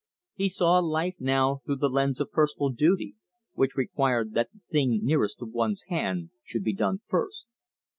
He saw life now through the lens of personal duty, which required that the thing nearest to one's hand should be done first.